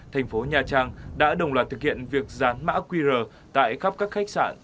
thành phố nha trang đã đồng loạt thực hiện việc dán mã qr tại khắp các khách sạn